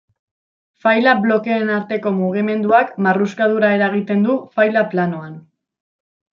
Faila-blokeen arteko mugimenduak marruskadura eragiten du faila-planoan.